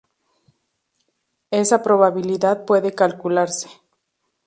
Esa probabilidad puede calcularse.